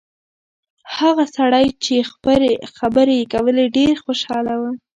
هغه سړی چې خبرې یې کولې ډېر خوشاله و.